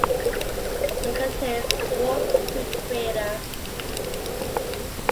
It contains Wolfe Creek crater.